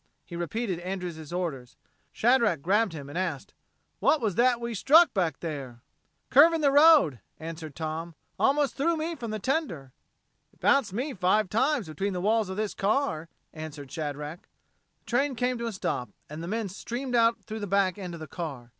He repeated Andrews' orders. Shadrack grabbed him and asked: "What was that we struck back there?" "Curve in the road," answered Tom. "Almost threw me from the tender." "It bounced me five times between the walls of this car," answered Shadrack. The train came to a stop and the men streamed out through the back end of the car.